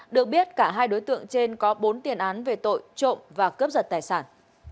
được biết cả hai đối tượng trên có bốn tiền án về tội trộm và cướp giật tài sản